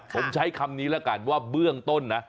ผมใช้คำนี้แล้วกันว่าเบื้องต้นนะ